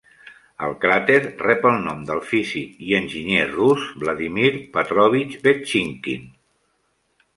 El cràter rep el nom del físic i enginyer rus Vladimir Petrovich Vetchinkin.